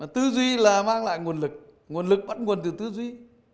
tư duy là mang lại nguồn lực nguồn lực bắt nguồn từ tư duy